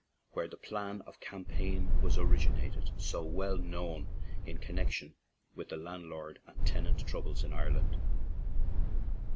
where the "Plan of Cam paign" was originated, so well known in connection with the landlord and tenant troubles in Ireland.